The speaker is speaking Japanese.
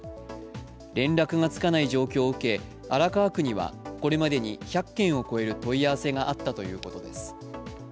連絡がつかない状況を受け、荒川区にはこれまでに１００件を超える問い合わせがあったということです。